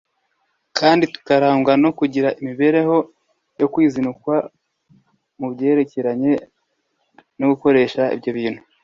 kandi tukarangwa no kugira imibereho yo kwizinukwa mu byerekeranye no gukoresha ibyo bintu